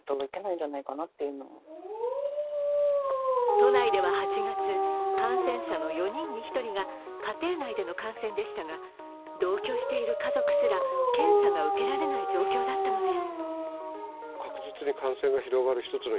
都内では８月、感染者の４人に１人が家庭内での感染でしたが、同居している家族すら検査が受けられない状況だったのです。